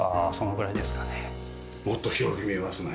もっと広く見えますね。